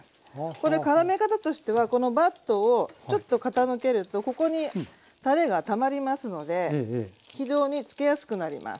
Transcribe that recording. これからめ方としてはこのバットをちょっと傾けるとここにたれがたまりますので非常につけやすくなります。